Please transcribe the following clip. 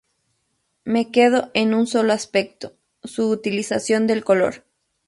Me quedo en un solo aspecto, su utilización del color.